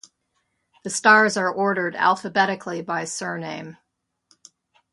The stars are ordered alphabetically by surname.